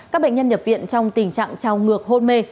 các bệnh nhân nhập viện trong tình trạng trào ngược hôn mê